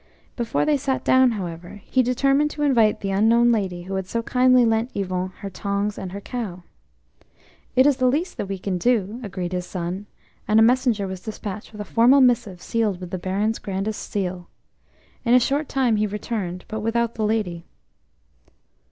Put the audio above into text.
Before they sat down, however, he determined to invite the unknown lady who had so kindly lent Yvon her tongs and her cow. T is the least that we can do," agreed his son, and a messenger was despatched with a formal missive sealed with the Baron's grandest seal. In a short time he returned, but without the lady.